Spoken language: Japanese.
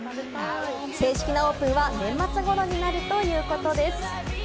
正式なオープンは年末頃になるということです。